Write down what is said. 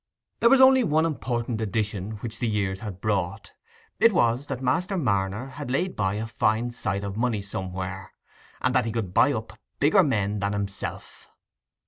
There was only one important addition which the years had brought: it was, that Master Marner had laid by a fine sight of money somewhere, and that he could buy up "bigger men" than himself.